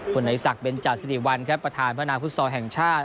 คุณไอศักดิ์เบนจาศิริวัลครับประธานพระนางฟุตซอร์แห่งชาติ